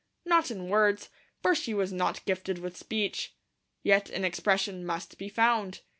Not in words; for she was not gifted with speech. Yet an expression must be found.